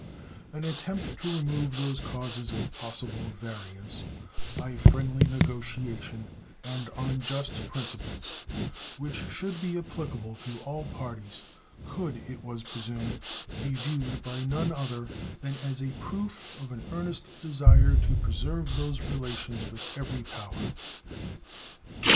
An attempt to remove those causes of possible variance by friendly negotiation and on just principles which should be applicable to all parties could, it was presumed, be viewed by none other than as a proof of an earnest desire to preserve those relations with every power.